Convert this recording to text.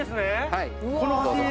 はい。